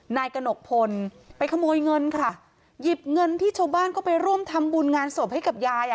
นายกระหนกพลไปขโมยเงินค่ะหยิบเงินที่ชาวบ้านก็ไปร่วมทำบุญงานศพให้กับยายอ่ะ